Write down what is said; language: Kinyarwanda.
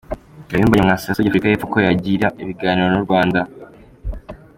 Kayumba Nyamwasa yasabye Afurika y’Epfo ko yagirana ibiganiro n’ u Rwanda.